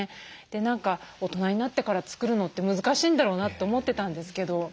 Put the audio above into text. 何か大人になってから作るのって難しいんだろうなと思ってたんですけど。